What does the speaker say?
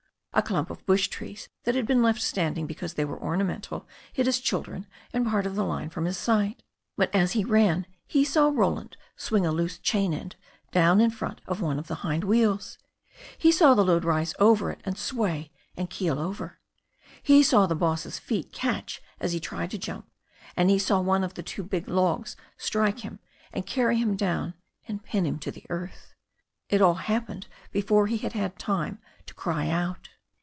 A clump of bush trees that had been left standing because they were ornamental hid his chil dren and part of the line from his sight. But as he ran he saw Roland swing a loose chain end down in front of one of the hind wheels. He saw the load rise over it and sway and keel over. He saw the boss's feet catch as he turned to jump, and he saw one of the two big logs strike him and carry him down, and pin him to the earth. It all happened before he had time to cry out.